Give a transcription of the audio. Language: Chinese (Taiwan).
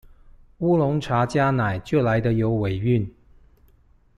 烏龍茶加奶就來得有尾韻